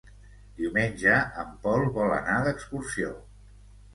Diumenge en Pol vol anar d'excursió.